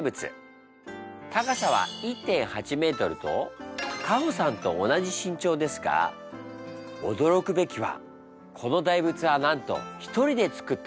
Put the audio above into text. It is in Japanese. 高さは１．８ｍとカホさんと同じ身長ですが驚くべきはこの大仏はなんと一人でつくったもの。